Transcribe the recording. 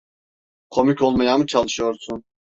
Komik olmaya mı çalışıyorsun?